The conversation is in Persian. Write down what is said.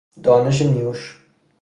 دانش نیوش